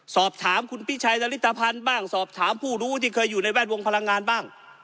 สอบถามคุณพิชัยนริตภัณฑ์บ้างสอบถามผู้รู้ที่เคยอยู่ในแวดวงพลังงานบ้าง